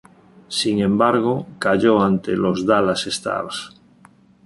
Sin embargo, cayó ante los Dallas Stars.